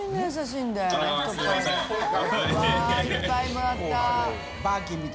いっぱいもらった。